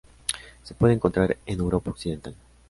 Se puede encontrar en Europa occidental.